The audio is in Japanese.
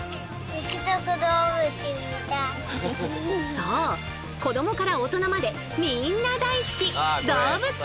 そう子どもから大人までみんな大好き！